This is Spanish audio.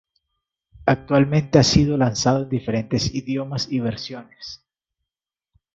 Actualmente ha sido lanzado en diferentes idiomas y versiones.